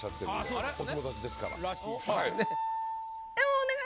お願い。